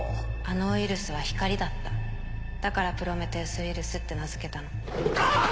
あのウイルスは光だっただからプロメテウス・ウイルスって名ぐわぁ！